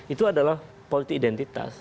itu adalah politik identitas